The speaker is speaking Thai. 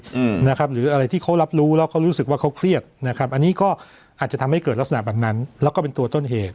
อืมนะครับหรืออะไรที่เขารับรู้แล้วเขารู้สึกว่าเขาเครียดนะครับอันนี้ก็อาจจะทำให้เกิดลักษณะแบบนั้นแล้วก็เป็นตัวต้นเหตุ